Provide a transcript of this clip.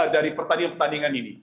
dari pertandingan pertandingan ini